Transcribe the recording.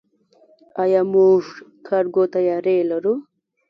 آیا موږ کارګو طیارې لرو؟